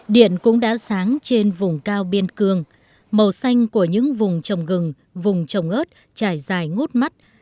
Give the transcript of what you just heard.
điện cũng đã sáng trên vùng cao biên cương màu xanh của những vùng trồng gừng vùng trồng ớt trải dài ngút mắt